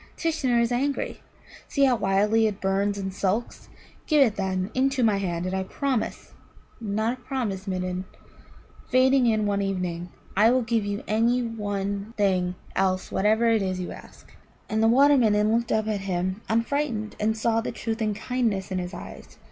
Tishnar is angry. See how wildly it burns and sulks. Give it, then, into my hand, and I promise not a promise, Midden, fading in one evening I will give you any one thing else whatsoever it is you ask." And the Water midden looked up at him unfrightened, and saw the truth and kindness in his eyes.